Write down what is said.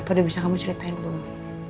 apa dia bisa kamu ceritain dulu